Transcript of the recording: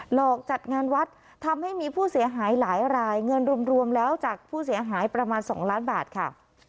หลอกจัดงานวัดทำให้มีผู้เสียหายหลายรายเงินรวมแล้วจากผู้เสียหายประมาณ๒ล้านบาทค่ะ